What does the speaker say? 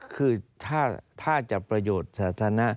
คือถ้าจะประโยชน์สาธารณะ